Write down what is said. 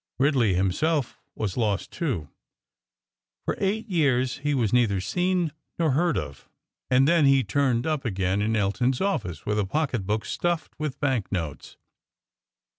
Ridley himself was lost too. For eight years he was neither seen nor heard of; and then he turned up again in Elton's office with a pocket book stuffed with bank notes.